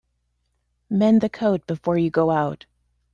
Mend the coat before you go out.